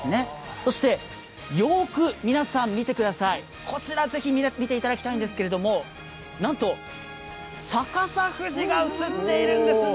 そしてよーく皆さん見てください、こちらぜひ見ていただきたいんですけど、なんと逆さ富士が映っているんですね。